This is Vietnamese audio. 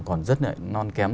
còn rất là non kém